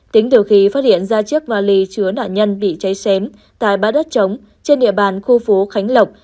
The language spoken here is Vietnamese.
tính từ khi phát hiện ra chiếc vali chứa nạn nhân bị cháy xém tại bãi đất trống trên địa bàn khu phố khánh lộc